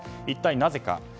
一体なぜか。